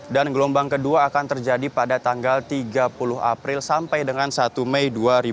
dan gelombang kedua akan terjadi pada tanggal tiga puluh april sampai dengan satu mei dua ribu dua puluh tiga